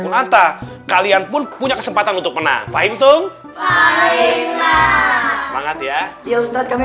pun anda kalian pun punya kesempatan untuk menang fahim tung semangat ya ya ustadz kami